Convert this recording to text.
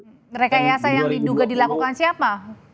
rekayasa yang diduga dilakukan siapa